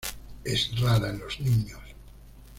Es rara en los niños.